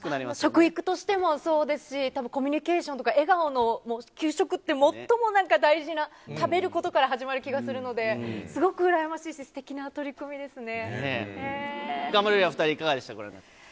食育としてもそうですし、たぶんコミュニケーションとか、笑顔の、給食って、最も大事な食べることから始まる気がするので、すごく羨ましいし、すてきな取り組みですね。